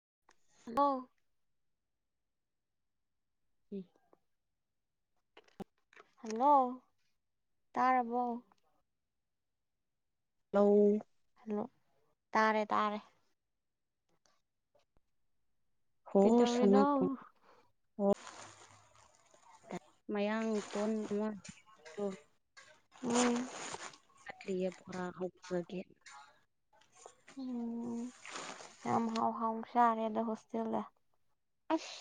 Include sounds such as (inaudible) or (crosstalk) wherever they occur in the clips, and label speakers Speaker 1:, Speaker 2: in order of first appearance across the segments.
Speaker 1: (unintelligible) ꯎꯝ hello ꯇꯥꯔꯕꯣ
Speaker 2: ꯍꯂ
Speaker 1: hello ꯇꯥꯔꯦ ꯇꯥꯔꯦ
Speaker 2: ꯍ ꯁꯅꯥ
Speaker 1: ꯀꯩꯗꯧꯔꯤꯅꯣ
Speaker 2: ꯊ ꯍ ꯃꯌꯥꯡ ꯇꯣꯟ ꯑꯃ
Speaker 1: ꯎꯝ
Speaker 2: ꯂꯂꯤꯌꯥ ꯄꯨꯣꯔꯥ ꯍꯧꯆꯒꯦ
Speaker 1: ꯎꯝ ꯌꯥꯝ ꯍꯥꯎ ꯍꯥꯎ ꯁꯥꯔꯦ ꯑꯗ ꯍꯣꯁꯇꯦꯜꯗ
Speaker 2: ꯑꯁ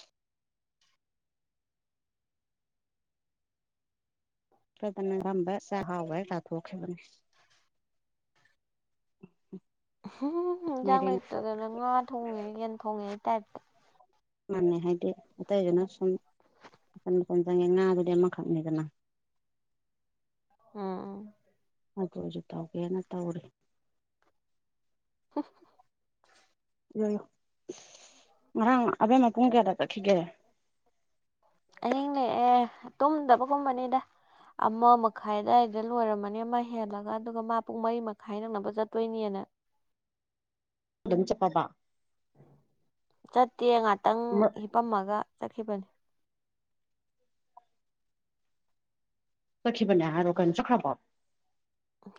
Speaker 2: ꯐꯗꯅ ꯉꯝꯕ ꯆꯥꯛꯍꯥꯎꯕ ꯇꯥꯊꯣꯛꯈꯤꯕꯅꯤ (inaudible)
Speaker 1: ꯎꯝ ꯌꯦꯟꯖꯥꯡ
Speaker 2: ꯃꯥꯏꯔꯦꯟ
Speaker 1: ꯂꯩꯇꯗꯅ ꯉꯥ ꯊꯣꯡꯉꯦ ꯌꯦꯟ ꯊꯣꯡꯉꯦ ꯑꯩ ꯇꯥꯏꯞꯇ
Speaker 2: ꯃꯥꯟꯅꯦ ꯍꯥꯏꯗꯤ ꯑꯇꯩꯖꯅ ꯁꯨꯝ ꯃꯇꯝ ꯃꯇꯝ ꯆꯪꯉꯦ ꯉꯥ ꯑꯗꯨꯗꯤ ꯑꯃ ꯈꯛꯅꯤꯗꯅ
Speaker 1: ꯑꯥ
Speaker 2: ꯑꯗꯨ ꯍꯧꯁꯨ ꯇꯧꯒꯦꯅ ꯇꯧꯔꯦ
Speaker 1: ꯎ
Speaker 2: ꯣ ꯑ ꯑꯗꯦ ꯃ ꯀꯣꯡ ꯀꯌꯥꯗꯒꯈꯤꯒꯦꯔꯦ
Speaker 1: ꯑꯍꯤꯡ ꯂꯦꯛꯑꯦ ꯇꯨꯝꯗꯕꯒꯨꯝꯕꯅꯤꯗ ꯑꯃ ꯃꯈꯥꯏ ꯑꯗꯨꯋꯥꯏꯗ ꯂꯣꯏꯔꯝꯃꯅꯤ ꯑꯃ ꯍꯦꯜꯂꯒ ꯑꯗꯨꯒ ꯃꯥ ꯄꯨꯡ ꯃꯔꯤ ꯃꯈꯥꯏ ꯅꯛꯅꯕ ꯆꯠꯇꯣꯏꯅꯤꯅ
Speaker 2: ꯑꯗꯨꯝ ꯆꯄꯕ
Speaker 1: ꯆꯠꯇꯦ ꯉꯥꯛꯇꯪ
Speaker 2: ꯑꯃ
Speaker 1: ꯍꯤꯄꯝꯃꯒ ꯆꯈꯕꯅꯤ
Speaker 2: ꯆꯈꯈꯤꯕꯕ ꯑꯥꯔꯣ ꯀꯅ ꯆ ꯈ꯭ꯔ ꯄꯥꯎ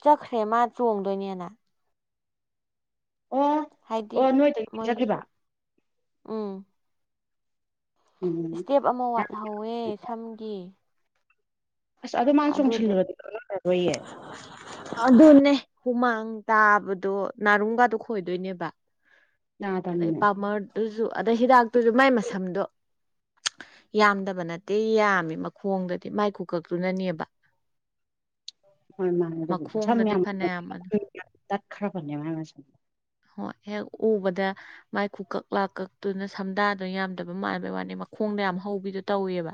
Speaker 1: ꯆꯠꯈ꯭ꯔꯦ ꯃꯥ ꯆꯣꯡꯗꯣꯏꯅꯦꯅ
Speaker 2: ꯑꯣ
Speaker 1: ꯍꯥꯏꯗꯤ
Speaker 2: ꯑꯣ ꯅꯣꯏꯗꯒꯤ
Speaker 1: ꯃꯣꯏ
Speaker 2: ꯆꯠꯈꯤꯕ
Speaker 1: ꯎꯝ
Speaker 2: ꯎꯝ
Speaker 1: ꯏꯁꯇꯦꯞ ꯑꯃ ꯋꯥꯠꯍꯧꯋꯦ ꯁꯝꯒꯤ
Speaker 2: ꯑꯁ ꯑꯗꯨ ꯃꯥꯅ
Speaker 1: ꯑꯗꯨꯗꯣ
Speaker 2: ꯆꯣꯡꯁꯤꯜꯂꯨꯔꯗꯤ ꯀꯗꯣꯏꯌꯦ
Speaker 1: ꯑꯗꯨꯅꯦ ꯍꯨꯃꯥꯡ ꯇꯥꯕꯗꯣ ꯅꯥꯔꯨꯡꯒꯗꯣ ꯈꯣꯏꯗꯣꯏꯅꯦꯕ ꯑꯗꯩ
Speaker 2: ꯌꯥꯗꯝꯅꯦ
Speaker 1: ꯄꯥꯃꯔꯗꯨꯁꯨ ꯑꯗꯩ ꯍꯤꯗꯥꯛꯇꯨꯁꯨ ꯃꯥꯏ ꯃꯁꯝꯗꯣ ꯌꯥꯝꯗꯕ ꯅꯠꯇꯦ ꯌꯥꯝꯃꯤ ꯃꯈꯣꯡꯗꯗꯤ ꯃꯥꯏ ꯀꯨꯀꯛꯇꯨꯅꯅꯦꯕ
Speaker 2: ꯍꯣꯏ ꯃꯥ ꯑꯗꯨ ꯁ
Speaker 1: ꯐꯅꯌꯥꯝ
Speaker 2: ꯇꯈꯔ ꯐ
Speaker 1: ꯍꯣꯏ ꯍꯦꯛ ꯎꯕꯗ ꯃꯥꯏ ꯈꯨ ꯀꯛ ꯂꯥꯛ ꯀꯛꯇꯨꯅ ꯁꯝꯗꯥꯗꯅ ꯌꯥꯝꯗꯕ ꯃꯥꯟꯕꯩ ꯋꯥꯅꯤ ꯃꯈꯣꯡ ꯣꯡꯗ ꯌꯥꯝ ꯍꯧꯕꯤꯗꯣ ꯇꯧꯋꯦꯕ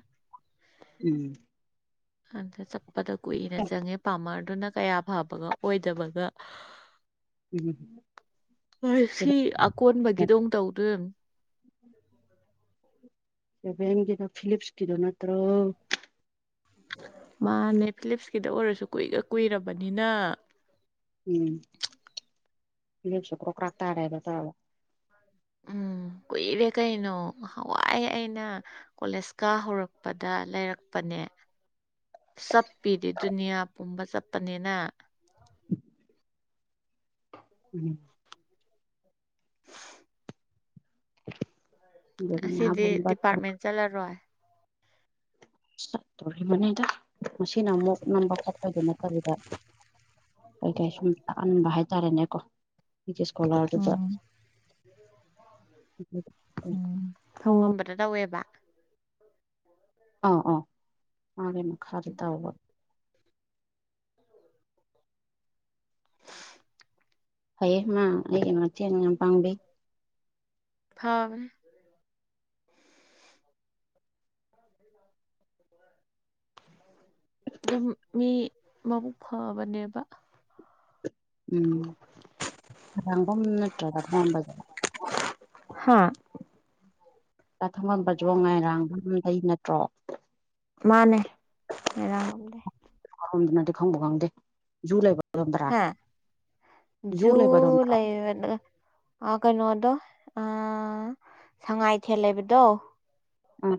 Speaker 2: ꯎꯝ
Speaker 1: ꯑꯗ ꯆꯠꯄꯗ ꯀꯨꯏꯅ ꯆꯪꯉꯦ ꯄꯥꯝꯃꯔ ꯑꯗꯨꯅ ꯀꯌꯥ ꯐꯕꯒ ꯑꯣꯏꯗꯕꯒ
Speaker 2: ꯎ
Speaker 1: ꯍ ꯁꯤ ꯑꯀꯣꯟꯕꯒꯤꯗꯧ ꯇꯧꯗꯣꯏ (inaudible)
Speaker 2: ꯁꯦꯕꯦꯟꯒꯤꯗ ꯐꯤꯂꯤꯞꯁꯀꯤꯗꯣ ꯅꯠꯇ꯭ꯔꯣ
Speaker 1: ꯃꯥꯅꯦ ꯐꯤꯂꯤꯞꯁꯀꯤꯗ ꯑꯣꯏꯔꯁꯨ ꯀꯨꯏꯒ ꯀꯨꯏꯔꯕꯅꯤꯅ
Speaker 2: ꯎꯝꯁꯨꯨ ꯀ꯭ꯔꯣ ꯀ꯭ꯔꯥ ꯇꯔꯦꯗ ꯇ
Speaker 1: ꯎꯝ ꯀꯨꯏꯔꯦ ꯀꯩꯅꯣ ꯍꯥꯟꯋꯥꯏ ꯑꯩꯅ ꯀꯣꯂꯦꯖꯀ ꯍꯧꯔꯛꯄꯗ ꯂꯩꯔꯛꯄꯅꯦ
Speaker 2: (inaudible)
Speaker 1: ꯆꯠꯄꯤꯗꯤ ꯗꯨꯅꯤꯌꯥ ꯄꯨꯝꯕ ꯆꯠꯄꯅꯤꯅ
Speaker 2: ꯎꯝ
Speaker 1: ꯑꯁꯤꯗꯤ
Speaker 2: ꯗꯨꯅꯤꯌꯥꯕꯨꯝꯕ
Speaker 1: ꯗꯤꯄꯥꯔꯠꯃꯦꯟ ꯆꯠꯂꯔꯣꯏ
Speaker 2: ꯆꯠꯇꯣꯔꯤꯕꯅꯤꯗ ꯃꯁꯤꯅ ꯑꯃꯨꯛ ꯅꯝꯕ ꯈꯣꯠꯄꯩꯗꯨ ꯅꯠꯇꯕꯤꯗ ꯀꯩꯀꯩ ꯁꯣꯨꯝ ꯇꯥꯛꯍꯟꯕ ꯍꯥꯏꯇꯥꯔꯦꯅꯦꯀꯣ ꯑꯩꯒꯤ ꯏꯁꯀꯣꯂꯥꯔꯗꯨꯗ
Speaker 1: ꯎ ꯂꯧꯧꯋꯦꯕ
Speaker 2: ꯑ ꯑꯣ ꯃꯥꯒꯦ ꯃ ꯈ ꯈꯔ ꯇꯥꯎꯕ ꯐꯩꯌꯦ ꯃꯥ ꯑꯩ ꯃꯇꯦꯡ ꯌꯥꯝ ꯄꯥꯡꯕꯤ
Speaker 1: ꯐꯥꯎꯅꯦ ꯑꯗꯨꯝ ꯃꯤ ꯃꯕꯨꯛ ꯐꯕꯅꯦꯕ
Speaker 2: ꯎꯝꯥꯡꯐꯝ ꯅꯠꯇ꯭ꯔꯒ ꯊꯧꯉꯥꯟꯕꯗ
Speaker 1: ꯍꯥꯥ
Speaker 2: ꯆꯥꯛꯊꯪꯉ ꯄꯖꯣ ꯉꯥꯏꯔꯥꯡꯗꯨꯝ ꯂꯩ ꯅꯠꯇ꯭ꯔꯣ
Speaker 1: ꯃꯥꯅꯦꯔꯝꯗ
Speaker 2: ꯔꯣꯝꯗꯨꯅꯗꯤ ꯈꯪꯕ ꯈꯪꯗꯦ ꯖꯨ ꯂꯩꯕ
Speaker 1: ꯍꯥ ꯖꯨ ꯂꯩ ꯀꯩꯅꯣ ꯑꯗꯣ ꯑꯥ ꯁꯉꯥꯏꯊꯦꯜ ꯂꯩꯕꯗꯣ
Speaker 2: ꯑ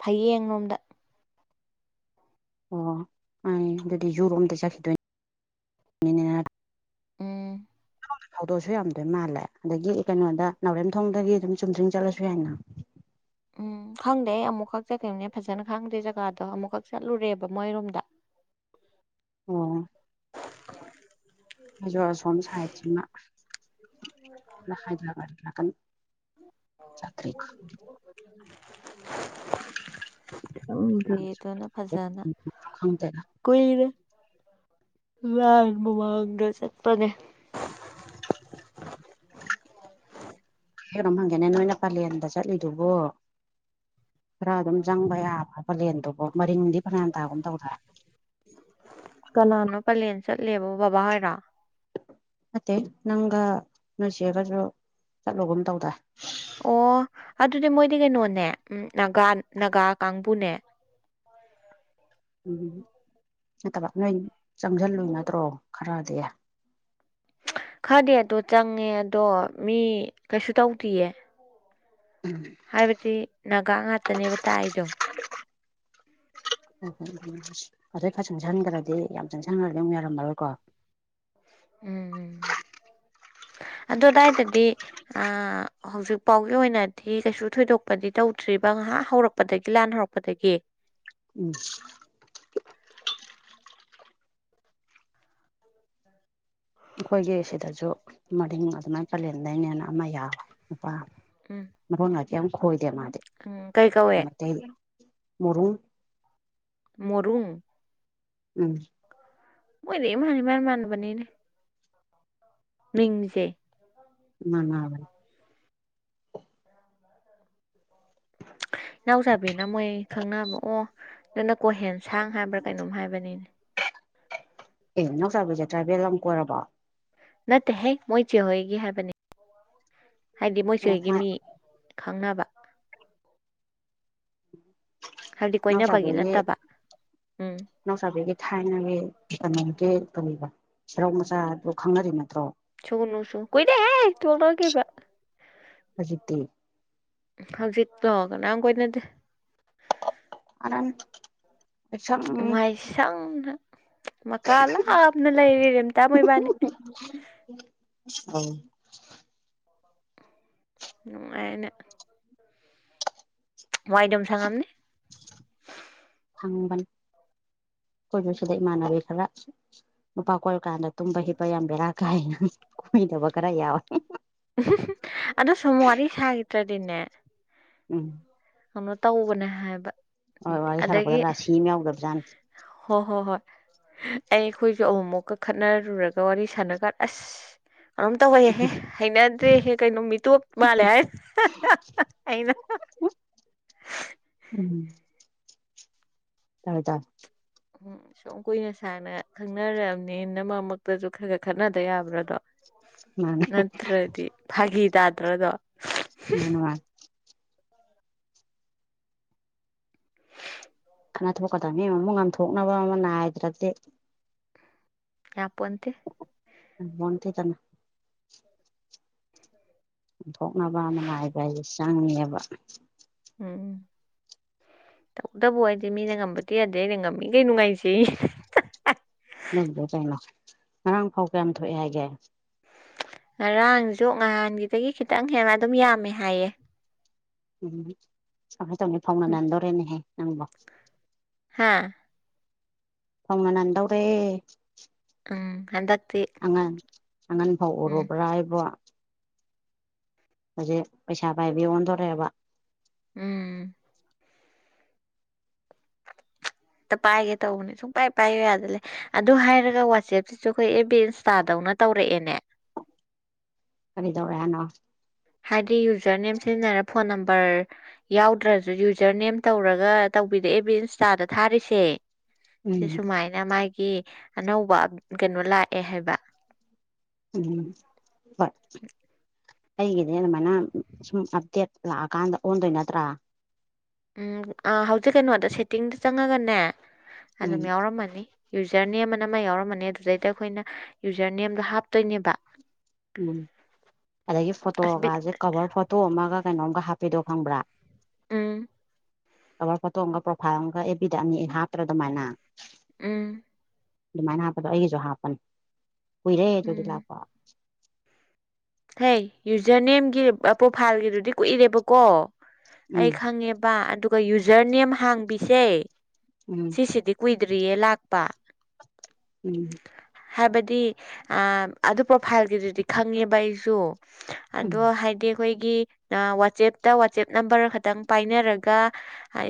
Speaker 1: ꯐꯌꯦꯡ ꯂꯣꯝꯗ
Speaker 2: ꯑꯣ ꯑꯗꯨꯗꯤ ꯖꯨꯔꯣꯝꯗ ꯆꯠꯈꯤꯗꯣꯏꯅꯦ
Speaker 1: ꯎꯝ
Speaker 2: ꯍꯧꯗꯣꯛꯑꯁꯨ ꯌꯥꯝꯗꯣꯏ ꯃꯥꯜꯂꯦ ꯑꯗꯒꯤ ꯀꯩꯅꯣꯗ ꯅꯥꯎꯔꯦꯝꯊꯣꯡꯗꯒꯤ ꯑꯗꯨꯝ ꯆꯨꯝꯖꯤꯡ ꯆꯠꯂꯁꯨ ꯌꯥꯏꯅ (inaudible)
Speaker 1: ꯎꯝ ꯈꯪꯗꯦ ꯑꯩ ꯑꯃꯨꯛꯈꯛ ꯆꯠꯈꯤꯕꯈꯤꯕꯅꯦ ꯐꯖꯅ ꯈꯪꯗꯦ ꯖꯒꯥꯗꯣ ꯑꯃꯨꯛꯈꯛ ꯆꯠꯂꯨꯔꯦꯕ ꯃꯣꯏꯔꯣꯝꯗ
Speaker 2: ꯑꯣ ꯍꯧꯖꯣ ꯑꯁꯣꯝ ꯁꯥꯏꯠꯁꯤꯅ ꯅꯥꯀꯟ ꯆꯠꯇ꯭ꯔꯤ
Speaker 1: (unintelligible) ꯎꯝꯗ ꯊꯣꯛꯅ ꯐꯖꯥꯅ
Speaker 2: ꯈꯪꯗꯦꯗ
Speaker 1: ꯀꯣꯏꯗ ꯂꯕꯨ ꯃꯥꯡꯒ ꯆꯠꯄꯅꯦ
Speaker 2: ꯀ ꯀꯩꯅꯣꯝ ꯍꯪꯒꯦꯅꯦ ꯅꯣꯏꯅ ꯄꯂꯦꯟꯗ ꯆꯠꯂꯤꯗꯨꯕꯣ ꯈꯔ ꯑꯗꯨꯝ ꯆꯪꯕ ꯌꯥꯕ꯭ꯔ ꯄꯂꯦꯟꯗꯨꯕꯣ ꯃꯔꯤꯡꯗꯤ ꯅꯗꯒ ꯇꯧꯔ
Speaker 1: ꯀꯅꯥꯅꯣ ꯄꯂꯦꯟ ꯆꯠꯂꯦꯕ ꯕꯕꯥ ꯍꯥꯏꯔꯥ
Speaker 2: ꯅꯠꯇꯦ ꯅꯪꯒ ꯅꯣꯏ ꯆꯦꯒꯁꯨ ꯆꯠꯂꯨꯒꯨꯝ ꯇꯧꯗ
Speaker 1: ꯑꯣ ꯑꯗꯨꯗꯤ ꯃꯣꯏꯗꯤ ꯀꯩꯅꯣꯅꯦ ꯎꯒꯥ ꯅꯥꯒꯥ ꯀꯥꯡꯕꯨꯅꯦ
Speaker 2: (inaudible) ꯎꯝ ꯅꯠꯇꯕ ꯅꯣꯏ ꯆꯪꯁꯤꯜꯂꯨꯏ ꯅꯠꯇ꯭ꯔꯣ ꯈꯔꯗꯤ
Speaker 1: ꯈꯔꯗꯤ ꯑꯣ ꯆꯪꯉꯦ ꯑꯗꯣ ꯃꯤ ꯀꯩꯁꯨ ꯇꯧꯗꯌꯦ
Speaker 2: ꯎꯝ
Speaker 1: ꯍꯥꯏꯕꯗꯤ ꯒꯥ ꯉꯥꯛꯇꯅꯦꯕ ꯇꯥꯏ ꯑꯩꯗꯣ
Speaker 2: ꯍ ꯑꯣ ꯍꯣꯏ ꯎ ꯑꯗꯣ ꯈꯔ ꯆꯪꯁꯤꯟꯈ꯭ꯔꯗꯤ ꯌꯥꯝ ꯆꯪꯁꯟꯈ꯭ꯔꯗꯤ ꯑꯃ ꯌꯥꯔꯝꯃꯔꯣꯏꯀꯣ (inaudible)
Speaker 1: ꯎꯝ ꯎꯝ
Speaker 2: (unintelligible)
Speaker 1: ꯑꯗꯨꯗꯥꯏꯗꯗꯤ ꯑ ꯍꯧꯖꯤꯛ ꯐꯥꯎꯒꯤ ꯑꯣꯏꯅꯗꯤ ꯀꯩꯁꯨ ꯊꯣꯏꯗꯣꯛꯄꯗꯤ ꯇꯧꯗ꯭ꯔꯤꯕ ꯉꯥꯏꯍꯥꯛ ꯍꯧꯔꯛꯄꯗꯒꯤ ꯂꯥꯟ ꯍꯧꯔꯛꯄꯗꯒꯤ
Speaker 2: ꯎꯝ ꯑꯩꯈꯣꯏꯒꯤ ꯁꯤꯗꯁꯨ ꯃꯔꯤꯡ ꯑꯗꯨꯃꯥꯏꯅ ꯀꯥꯂꯦꯟꯗꯅꯦꯅ ꯑꯃ ꯌꯥ ꯄꯥꯝꯃꯦ
Speaker 1: ꯎꯝ
Speaker 2: ꯃꯐꯝꯅꯗꯤ ꯌꯥꯝ ꯈꯣꯏꯗꯦ ꯃꯥꯗꯤ
Speaker 1: ꯎꯝ ꯀꯩ ꯀꯧꯋꯦ
Speaker 2: ꯑꯇꯩꯗꯤ ꯃꯔꯣꯔꯨꯝ
Speaker 1: ꯃꯔꯔꯨꯝ
Speaker 2: ꯎꯝ
Speaker 1: ꯃꯣꯏꯗꯤ ꯃꯥꯅꯤ ꯃꯥꯅ ꯃꯥꯅꯕꯅꯤꯅꯦ ꯃꯤꯡꯁꯦ
Speaker 2: (unintelligible)
Speaker 1: ꯏꯅꯥꯎꯆꯥꯥꯕꯤꯅ ꯃꯣꯏ ꯈꯪꯅꯕ ꯑꯣ ꯅ ꯀꯣꯍꯦꯟꯁꯥꯡ ꯍꯥꯏꯕ꯭ꯔꯥ ꯀꯩꯅꯣꯝ ꯍꯥꯏꯕꯅꯤꯅꯦ
Speaker 2: ꯑꯦ ꯅꯎꯆꯥꯥꯕꯤꯁꯦ ꯇ꯭ꯔꯥꯏꯕꯦꯜ ꯑꯃ ꯀꯣꯏꯔꯕ
Speaker 1: ꯅꯠꯇꯦꯍꯦ ꯃꯣꯏꯁꯤꯦ ꯍꯣꯏꯒꯤ ꯍꯥꯏꯕꯅꯤ ꯍꯥꯏꯗꯤ
Speaker 2: ꯑꯣ
Speaker 1: ꯃꯣꯏꯁꯤꯦꯍꯣꯏꯒꯤ
Speaker 2: ꯃꯥ
Speaker 1: ꯃꯤ ꯈꯪꯅꯕ ꯍꯥꯏꯕꯗꯤ ꯀꯣꯏꯅꯕꯒꯤ
Speaker 2: ꯁꯥꯕꯤꯒꯤ
Speaker 1: ꯅꯠꯇꯕ ꯎꯝ
Speaker 2: ꯁꯥꯕꯤꯒꯤ ꯊꯥꯏꯅꯒꯤ ꯀꯩꯅꯣꯒꯦ ꯇꯧꯔꯤꯕ ꯁꯦꯔꯧ ꯃꯆꯥꯗꯨ ꯈꯪꯅꯔꯤ ꯅꯠꯇ꯭ꯔꯣ
Speaker 1: ꯀꯣꯏꯗ ꯇ ꯀ
Speaker 2: ꯍꯧꯖꯤꯠꯇꯤ
Speaker 1: ꯍꯧꯖꯤ ꯇꯒ ꯅꯪ ꯀꯣꯏꯅꯗꯤ
Speaker 2: ꯑꯅꯝ
Speaker 1: ꯃꯥꯏꯁꯪꯅ ꯃꯀꯥ ꯂꯥꯞꯅ ꯂꯩꯔꯤ ꯔꯔꯤꯦꯝꯇꯥ ꯃꯣꯏꯕꯥꯅꯤ
Speaker 2: ꯑ
Speaker 1: ꯑꯩꯅ ꯋꯥꯏꯗꯝ ꯁꯥꯉꯝꯅꯦ
Speaker 2: ꯈꯥꯡꯕꯜ ꯑꯩꯈꯣꯏꯁꯨ ꯁꯤꯗ ꯏꯃꯥꯟꯅꯕꯤ ꯈꯔ ꯅꯨꯄꯥ ꯀꯣꯏꯔ ꯀꯥꯟꯗ ꯇꯨꯝꯕ ꯍꯤꯞꯄ ꯌꯥꯝ ꯕꯦꯔꯥ ꯀꯥꯏ ꯌꯥꯝ ꯀꯨꯝ ꯇꯕ ꯀ꯭ꯔ ꯌꯥꯎ
Speaker 1: ꯑꯗꯣ ꯁꯣꯃꯋꯥꯔꯤ ꯆꯒꯤꯇ꯭ꯔꯦ ꯑꯗꯨꯟꯅꯦ
Speaker 2: ꯎꯝ
Speaker 1: ꯀꯅ ꯇꯧꯕꯅꯦ ꯍꯥꯏꯕ
Speaker 2: ꯍꯣꯏ ꯋꯥꯔꯤ ꯁꯥꯔꯛꯄꯗ
Speaker 1: ꯑꯗꯒꯤ
Speaker 2: ꯔꯥꯁꯤ ꯑꯃ ꯌꯥꯎꯗꯕꯖꯥꯠꯅꯤ
Speaker 1: ꯍꯣ ꯍꯣ ꯍꯣꯏ ꯑꯩ ꯑꯩꯈꯣꯏꯁꯨ ꯑꯃꯨꯃꯨꯛꯀ ꯈꯠꯅꯔꯨꯔꯒ ꯋꯥꯔꯤ ꯁꯥꯟꯅꯒꯥꯟ ꯑꯁ ꯑꯗꯨꯝ ꯇꯧꯕꯍꯦꯍꯦ ꯍꯩꯅꯗ꯭ꯔꯦꯍꯦ ꯀꯩꯅꯣ ꯃꯤꯇꯣꯞ ꯃꯥꯜꯂꯦ ꯍꯥꯏ ꯑꯩꯅ
Speaker 2: ꯎꯝ ꯇꯥꯏ ꯇ
Speaker 1: ꯎꯝ ꯁꯨꯝ ꯀꯨꯏꯅ ꯁꯥꯡꯅ ꯈꯪꯅꯔꯑꯕꯅꯤ ꯅꯃꯃꯛꯇꯁꯨ ꯈꯔ ꯈꯔ ꯈꯠꯅꯗ ꯌꯥꯕ꯭ꯔꯥꯗꯣ
Speaker 2: ꯃꯥꯅꯦ
Speaker 1: ꯅꯠꯇ꯭ꯔꯗꯤ ꯐꯒꯤ ꯏꯗꯗ꯭ꯔ ꯑꯗꯨꯣ
Speaker 2: ꯎ ꯈꯅ ꯊꯣꯛꯀꯗꯕꯅꯤ ꯑꯃ ꯑꯃ ꯉꯥꯝꯊꯣꯛꯅꯕ ꯑꯃ ꯅꯥꯏꯗ꯭ꯔꯗꯤ
Speaker 1: ꯌꯥꯄꯣꯇꯦ
Speaker 2: ꯋꯥꯣꯟ ꯊꯦ ꯇꯅ ꯑꯣꯟꯊꯣꯛꯅꯕ ꯑꯃꯅꯥꯏꯕ ꯍꯥꯏꯁꯦ ꯆꯪꯉꯑꯕ (inaudible)
Speaker 1: ꯇꯧꯗꯕꯨ ꯍꯥꯏꯗꯤ ꯃꯤꯅ ꯉꯝꯕꯗꯤ ꯌꯥꯗꯦ ꯑꯩꯅ ꯉꯝꯃꯤ ꯀꯩ ꯅꯨꯡꯉꯥꯏꯖꯦ
Speaker 2: ꯅꯪꯗꯦ ꯀꯩꯅꯣ ꯉꯔꯥꯡ ꯐꯥꯎ ꯀꯌꯥꯝ ꯊꯣꯛꯑꯦ ꯍꯥꯏꯒꯦ
Speaker 1: ꯉꯔꯥꯡꯁꯨ ꯉꯍꯥꯟꯒꯤꯗꯒꯤ ꯈꯤꯇꯪ ꯍꯦꯟꯅ ꯑꯗꯨꯝ ꯌꯥꯝꯃꯦ ꯍꯥꯏꯌꯦ
Speaker 2: ꯎꯝ ꯀꯃꯥꯏ ꯇꯧꯅꯤ ꯐꯧꯅ ꯅꯟꯗꯣꯔꯦꯅꯦꯍꯦ ꯅꯪꯕ
Speaker 1: ꯑ
Speaker 2: ꯐꯉ ꯅꯟꯗꯧꯔꯦ
Speaker 1: ꯎꯝ ꯍꯗ
Speaker 2: ꯑꯉꯟ ꯑꯉꯟ ꯐꯥꯎ ꯎꯨꯔꯕ꯭ꯔꯥ ꯍꯥꯏꯕ꯭ꯔꯣ ꯍꯧꯖꯤꯛ ꯄꯩꯁꯥ ꯄꯥꯏꯕꯤ ꯑꯣꯟꯊꯣꯔꯦꯑꯕ
Speaker 1: ꯎꯝ ꯇ ꯄꯥꯏꯒꯦ ꯇꯧꯕꯅꯦ ꯁꯨꯡ ꯄꯥꯏ ꯄꯥꯏꯒꯦ ꯌꯥꯗꯜꯂꯦ ꯑꯗꯨ ꯍꯥꯏꯔꯒ ꯋꯥꯆꯦꯞꯁꯤꯁꯨ ꯑꯩꯈꯣꯏ ꯑꯦ ꯕꯤ ꯏꯟꯁꯇꯥꯗꯧ ꯪꯅ ꯇꯧꯔꯛꯑꯦꯅꯦ
Speaker 2: (inaudible) ꯈꯔꯤꯗꯋꯦꯅ
Speaker 1: ꯍꯥꯏꯗꯤ ꯌꯨꯖꯔ ꯅꯦꯝ ꯁꯤꯖꯤꯟꯅꯔꯦ ꯐꯣꯟ ꯅꯝꯕꯔ ꯌꯥꯎꯗ꯭ꯔꯁꯨ ꯌꯨꯖꯔ ꯅꯦꯝ ꯇꯧꯔꯒ ꯇꯧꯕꯤꯔꯛꯑꯦꯕꯕꯤ ꯏꯟꯁꯇꯥꯗ ꯊꯥꯔꯤꯁꯦ ꯁꯤ
Speaker 2: ꯎꯝ
Speaker 1: ꯁꯨꯃꯥꯏꯅ ꯃꯥꯒꯤ ꯑꯅꯧꯕ ꯀꯩꯅꯣ ꯂꯥꯛꯑꯦ ꯍꯥꯏꯕ
Speaker 2: ꯎꯝ ꯍꯩꯒꯗ ꯃꯅ ꯁꯨꯝ ꯑ ꯂꯥꯛꯑꯀꯥꯟꯗ ꯑꯣꯟꯗꯣꯏ ꯅꯠꯇ꯭ꯔꯥ
Speaker 1: ꯎꯝ ꯍꯧꯖꯤꯛ ꯀꯩꯅꯣꯗ ꯁꯦꯠꯇꯤꯡꯗ ꯆꯪꯉꯒꯅꯦ
Speaker 2: ꯎꯝ
Speaker 1: ꯑꯗꯨꯝ ꯌꯥꯎꯔꯝꯃꯅꯤ ꯌꯨꯖꯔ ꯅꯦꯝ ꯑꯅ ꯑꯃ ꯌꯥꯎꯔꯝꯃꯅꯦ ꯑꯗꯨꯗꯩꯗ ꯑꯩꯈꯣꯏꯅ ꯌꯨꯖꯔ ꯅꯦꯝꯗꯣ ꯍꯥꯞꯇꯣꯏꯅꯦꯕ
Speaker 2: ꯎꯝ ꯑꯗꯒꯤ
Speaker 1: ꯑꯁ ꯕꯤꯠ
Speaker 2: ꯐꯣꯇꯣꯒꯁꯦ ꯀꯕꯔ ꯐꯣꯇꯣ ꯑꯃꯒ ꯀꯩꯅꯣꯝꯒ ꯍꯥꯞꯄꯤꯗꯣ ꯈꯪꯕ꯭ꯔꯥ
Speaker 1: ꯑ
Speaker 2: ꯀꯕꯔ ꯐꯣꯇꯣ ꯑꯃꯒ ꯄ꯭ꯔꯣꯐꯥꯏꯜ ꯑꯃꯒ ꯑꯦ ꯕꯤꯗ ꯑꯅꯤ ꯍꯥꯞꯇ꯭ꯔꯥ ꯑꯗꯨꯃꯥꯏꯅ
Speaker 1: ꯎꯝ
Speaker 2: ꯑꯗꯨꯃꯥꯏꯅ ꯍꯥꯞꯄꯗꯣ ꯑꯩꯒꯤꯁꯨ ꯍꯥꯞꯄꯅꯤ ꯀꯨꯏꯔꯦ ꯑꯗꯨꯗꯤ ꯂꯥꯛꯄ
Speaker 1: ꯍꯩ ꯌꯨꯖꯔ ꯅꯦꯝꯒꯤ ꯄ꯭ꯔꯣꯐꯥꯏꯜꯒꯤꯗꯨꯗꯤ ꯀꯨꯏꯔꯦꯕꯀꯣ
Speaker 2: ꯎꯝ
Speaker 1: ꯑꯩ ꯈꯪꯉꯦꯕ ꯑꯗꯨꯒ ꯌꯨꯖꯔ ꯅꯦꯝ ꯍꯥꯡꯕꯤꯁꯦ
Speaker 2: ꯎꯝ
Speaker 1: ꯁꯤꯁꯤꯗꯤ ꯀꯨꯏꯗ꯭ꯔꯤꯌꯦ ꯂꯥꯛꯄ
Speaker 2: ꯎꯝ
Speaker 1: ꯍꯥꯏꯕꯗꯤ ꯑꯗꯨ ꯄ꯭ꯔꯣꯐꯥꯏꯜꯒꯤꯗꯨꯗꯤ ꯈꯪꯉꯦꯕ ꯑꯩꯁꯨ
Speaker 2: ꯎꯝ
Speaker 1: ꯑꯗꯨꯗꯣ ꯍꯥꯏꯗꯤ ꯑꯩꯈꯣꯏꯒꯤ ꯋꯥꯆꯦꯞꯇ ꯋꯥꯆꯦꯞ ꯅꯝꯕꯔ ꯈꯛꯇꯪ ꯄꯥꯏꯅꯔꯒ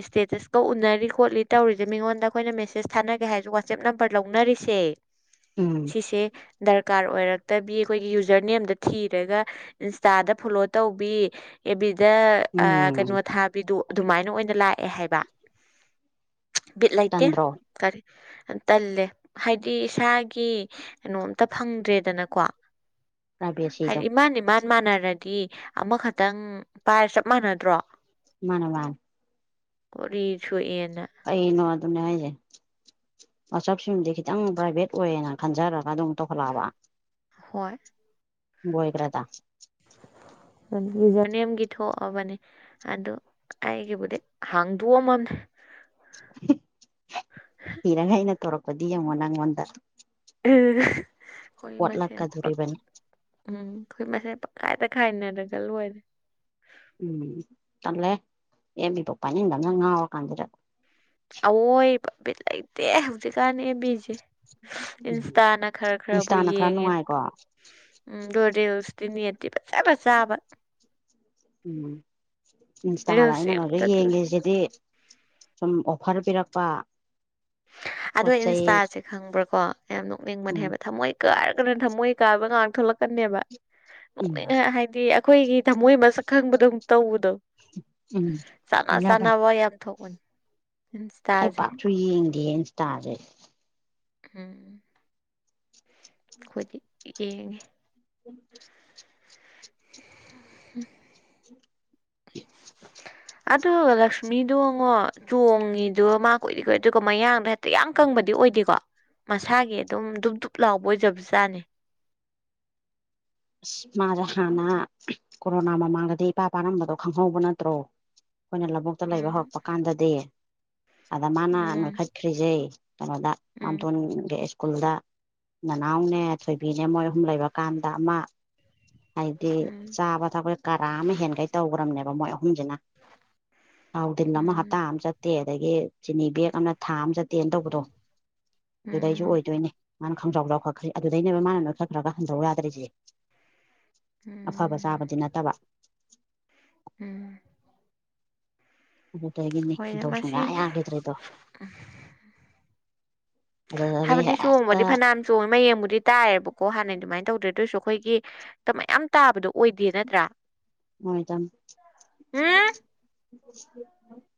Speaker 1: ꯏꯁꯇꯦꯇꯁꯀꯧ ꯎꯅ ꯈꯅꯔꯤ ꯈꯣꯠꯂꯤ ꯇꯧꯔꯤꯁꯦ ꯃꯤꯉꯣꯟꯗ ꯑꯩꯈꯣꯏꯅ ꯃꯦꯁꯦꯁ ꯊꯥꯅꯒꯦ ꯍꯥꯏꯁꯦ ꯋꯥꯆꯦꯞ ꯅꯝꯕꯔ ꯂꯧꯅꯔꯤꯁꯦ
Speaker 2: ꯎꯝ
Speaker 1: ꯁꯤꯁꯦ ꯗꯔꯀꯥꯔ ꯑꯣꯏꯔꯛꯇꯕꯤ ꯑꯩꯈꯣꯏꯒꯤ ꯌꯨꯖꯔ ꯅꯦꯝꯗ ꯊꯤꯔꯒ ꯏꯟꯁꯇꯥꯗ ꯐꯣꯂꯣ ꯇꯧꯕꯤ ꯁꯤꯗ ꯀꯩꯅꯣ
Speaker 2: ꯎꯝ
Speaker 1: ꯊꯥꯕꯤꯗꯨꯣ ꯑꯗꯨꯃꯥꯏꯅ ꯑꯣꯏꯅ ꯂꯥꯛꯑꯦ ꯍꯥꯏꯕ ꯕꯤꯠ ꯂꯩꯇꯦ
Speaker 2: ꯇꯟꯗ꯭ꯔꯣ
Speaker 1: ꯀꯔꯤ ꯇꯜꯂꯦ ꯍꯥꯏꯗꯤ ꯏꯁꯥꯒꯤ ꯀꯩꯅꯣꯝꯇ ꯐꯪꯗ꯭ꯔꯦꯗꯅꯀꯣ
Speaker 2: ꯔꯄꯤꯌꯥ ꯁꯤꯗꯣ
Speaker 1: ꯆꯞ ꯃꯥꯟꯅꯔꯗꯤ ꯑꯃꯈꯛꯇꯪ ꯄꯥꯏꯔ ꯆꯞ ꯃꯥꯟꯅꯗ꯭ꯔꯣ
Speaker 2: ꯃꯥꯅꯦ ꯋꯥ
Speaker 1: ꯀꯔꯤꯁꯨꯨꯏ
Speaker 2: ꯑꯩꯩꯅꯣ ꯑꯗꯨꯅꯦ ꯍꯥꯏꯁꯦ ꯃꯆꯞꯁꯤꯡꯗꯤ ꯈꯤꯇꯪ ꯄ꯭ꯔꯥꯏꯚꯦꯠ ꯑꯣꯏꯌꯦꯅ ꯈꯟꯖꯔꯒ ꯑꯗꯨꯝ ꯇꯧꯍꯜꯂꯛꯑꯕ
Speaker 1: ꯍꯣꯏ
Speaker 2: ꯕꯣꯣꯏꯒ꯭ꯔꯗ
Speaker 1: ꯖꯅꯤꯦꯝꯒꯤ ꯊꯣꯛꯑꯕꯅꯦ ꯑꯗꯨ ꯑꯩꯒꯤꯕꯨꯗꯤ ꯍꯥꯡꯗꯣꯛꯑꯝꯃꯝꯅꯦ
Speaker 2: ꯏꯤꯔꯉ ꯑꯩꯅ ꯇꯧꯔꯛꯄꯗꯤ ꯌꯦꯡꯉꯣ ꯅꯪꯉꯣꯟꯗ
Speaker 1: ꯑꯩꯈꯣꯏ ꯃꯁꯦꯟ
Speaker 2: ꯑꯣꯠꯂꯛꯀꯗꯣꯔꯤꯕꯅꯤ
Speaker 1: ꯎꯝ ꯑꯩꯈꯣꯏ ꯃꯁꯦꯟ ꯄꯪꯀꯥꯏꯗ ꯈꯥꯏꯅꯔꯒꯜꯂꯨ ꯑꯣꯏꯗ
Speaker 2: ꯎꯝ ꯇꯂꯦ ꯑꯦꯕꯤ ꯄꯄꯥꯅꯤ ꯏꯅꯉ ꯀꯥꯟꯖꯔ
Speaker 1: ꯑꯣ ꯄꯕꯤꯠꯂ ꯂꯩꯇꯦ ꯍꯧꯖꯤꯛꯀꯥꯟꯅ ꯑꯦꯝꯕꯤꯁꯦ
Speaker 2: ꯎꯝ
Speaker 1: ꯏꯟꯁꯇꯥꯅ ꯈꯔ ꯈꯔꯕꯨ
Speaker 2: ꯏꯟꯁꯇꯥꯅ ꯈꯔ
Speaker 1: ꯌꯦꯡꯉꯦ
Speaker 2: ꯅꯨꯡꯉꯥꯏꯀꯣ
Speaker 1: ꯎꯝ ꯗꯣꯗꯁꯗꯤꯅꯤꯠꯇ ꯐꯁ ꯐ ꯆꯕ
Speaker 2: ꯎꯝ ꯏꯟꯁꯇꯥꯗ ꯑꯩꯅ ꯈ ꯌꯦꯡꯒꯦꯁꯤꯗꯤ ꯁꯨꯝ ꯑꯣꯐꯔ ꯄꯤꯔꯛꯄ
Speaker 1: ꯑꯗ
Speaker 2: ꯄꯣꯠ ꯆꯩ
Speaker 1: ꯏꯟꯁꯇꯥꯁꯦ ꯈꯪꯕ꯭ꯔꯥꯀꯣ ꯌꯥꯝ ꯅꯣꯛꯅꯤꯡꯕꯅꯦ
Speaker 2: ꯎꯝ
Speaker 1: ꯍꯥꯏꯕ ꯊꯝꯃꯣꯏ ꯀꯥꯔꯒꯅ ꯊꯝꯃꯣꯏ ꯀꯥꯕ ꯉꯥꯡꯛ ꯀꯟꯕ
Speaker 2: ꯎꯝ
Speaker 1: ꯂꯣꯏꯅ ꯍꯥꯏꯗꯤ ꯑꯩꯈꯣꯏꯒꯤ ꯊꯃꯣꯏ ꯃꯁꯛ ꯈꯪꯕꯗꯣꯨ ꯇꯧꯕꯗꯣ
Speaker 2: ꯎꯝ
Speaker 1: ꯁꯥꯅꯥ ꯁꯥꯅꯥ
Speaker 2: ꯍꯥꯏꯅꯕꯅꯦ
Speaker 1: ꯋꯥꯏ ꯌꯥꯝ ꯊꯧꯕ
Speaker 2: ꯑꯩ ꯄꯥꯛꯁꯨ ꯌꯦꯡꯗꯦ ꯏꯟꯁꯇꯥꯁꯦ
Speaker 1: ꯎꯝ
Speaker 2: ꯎꯝ
Speaker 1: ꯑꯦ
Speaker 2: ꯎꯝ
Speaker 1: ꯎꯝ
Speaker 2: (inaudible)
Speaker 1: ꯑꯗꯨꯒ ꯂꯛꯁꯃꯤꯗꯣꯉꯣ ꯆꯣꯡꯉꯤꯗꯣ ꯃꯥ ꯀꯨꯏꯔꯤ ꯀꯨꯏꯔꯦ ꯑꯗꯨꯒ ꯃꯌꯥꯡꯗ ꯍꯦꯛꯇ ꯌꯥꯝ ꯀꯪꯕꯅꯤ ꯑꯣꯏꯗꯦꯀꯣ ꯃꯁꯥꯒꯤ ꯑꯗꯨꯝ ꯗꯨꯞ ꯗꯨꯞ ꯂꯥꯎꯕ ꯑꯣꯏꯖꯕꯁꯨꯖꯥꯅꯦ
Speaker 2: ꯑꯁ ꯃꯥꯁꯦ ꯍꯥꯟꯅ ꯀꯣꯔꯣꯅꯥ ꯃꯃꯥꯡꯗꯗꯤ ꯏꯄꯥ ꯄꯥꯔꯝꯕꯗꯣ ꯈꯪꯍꯧꯕ ꯅꯠꯇ꯭ꯔꯣ ꯑꯩꯈꯣꯏꯅ ꯂꯧꯕꯨꯛꯇ ꯂꯩꯕ
Speaker 1: ꯎꯝ
Speaker 2: ꯍꯧꯔꯛꯄ ꯀꯥꯟꯗꯗꯤ ꯑꯗ ꯃꯥꯅ
Speaker 1: ꯎꯝ
Speaker 2: ꯅꯣꯏꯈꯠꯈ꯭ꯔꯤꯁꯦ ꯀꯩꯅꯣꯗ
Speaker 1: ꯎꯝ
Speaker 2: ꯃꯥꯝꯇꯣꯟꯒ ꯁ꯭ꯀꯨꯜꯗ ꯅꯅꯥꯎꯅꯦ ꯊꯣꯏꯕꯤꯅꯦ ꯃꯣꯏ ꯑꯍꯨꯝ ꯂꯩꯕꯀꯥꯟꯗ ꯑꯃ ꯍꯥꯏꯗꯤ ꯆꯥꯕ ꯊꯛꯄꯁꯦ ꯀꯔꯥ ꯑꯃ ꯍꯦꯟꯒꯩ ꯇꯧꯈ꯭ꯔꯕꯅꯦꯕ ꯃꯣꯏ ꯑꯍꯨꯝꯁꯤꯅ ꯊꯥꯎꯗꯤꯜ ꯑꯃ ꯍꯞꯇꯥ
Speaker 1: ꯎꯝ ꯎꯝ
Speaker 2: ꯑꯃ ꯆꯠꯇꯦ ꯑꯗꯒꯤ ꯆꯤꯅꯤ ꯕꯦꯒ ꯑꯃꯅ ꯊꯥ ꯑꯃ ꯆꯦ ꯇꯦꯟ ꯇꯧꯕꯗꯣ ꯑꯗꯨꯗꯩꯁꯨ
Speaker 1: ꯎꯝ
Speaker 2: ꯑꯣꯏꯗꯣꯏꯅꯦ ꯃꯥꯅ ꯈꯪꯖ꯭ꯔꯥꯎ ꯂꯧꯥꯎꯈꯠꯈ꯭ꯔꯦ ꯑꯗꯨꯗꯩꯅꯦꯕ ꯃꯥꯅ ꯅꯣꯏꯈꯠꯈ꯭ꯔꯒ ꯍꯟꯗꯧ ꯌꯥꯗꯔꯤꯁꯦ ꯑꯐꯕ
Speaker 1: ꯎꯝ
Speaker 2: ꯆꯥꯕꯗꯤ ꯅꯠꯇꯕ
Speaker 1: ꯎꯝ
Speaker 2: ꯑꯗꯨꯗꯒꯤꯅꯤ
Speaker 1: ꯍꯣꯏꯅꯦ
Speaker 2: ꯈꯟꯗꯧ
Speaker 1: ꯃꯁꯤ
Speaker 2: ꯁꯨꯡꯌꯥ ꯌꯥꯈꯤꯗ꯭ꯔꯦꯗꯣ
Speaker 1: ꯍꯥꯏꯕꯗꯤ ꯆꯣꯡꯕꯗꯤ ꯐꯅꯝ ꯆꯣꯡꯉꯦ ꯃꯌꯦꯡꯕꯨꯗꯤ ꯇꯥꯏꯔꯦꯕꯀꯣ ꯍꯥꯟꯅꯗꯤ ꯑꯗꯨꯃꯥꯏꯅ ꯇꯧꯗ꯭ꯔꯦꯗꯣꯏꯁꯨ ꯑꯩꯈꯣꯏꯒꯤ ꯇ ꯃꯌꯥꯝ ꯇꯥꯕꯗꯣ ꯑꯣꯏꯗꯦ ꯅꯠꯇ꯭ꯔꯥ
Speaker 2: ꯃꯣꯏꯗ
Speaker 1: ꯎꯝ
Speaker 2: (inaudible)